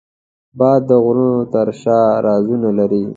باد د غرونو تر شا رازونه لري